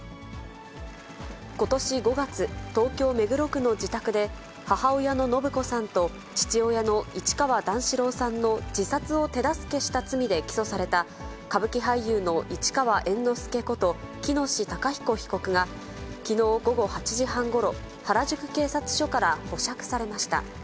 ことし５月、東京・目黒区の自宅で、母親の延子さんと、父親の市川段四郎さんの自殺を手助けした罪で起訴された歌舞伎俳優の市川猿之助こと、喜熨斗孝彦被告がきのう午後８時半ごろ、原宿警察署から保釈されました。